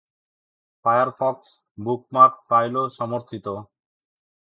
Firefox bookmark ফাইলও সমর্থিত।